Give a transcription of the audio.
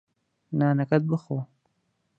نانەکەت بخۆ.